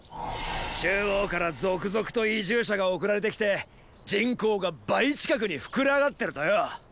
中央から続々と移住者が送られてきて人口が倍近くに膨れ上がってるとよ。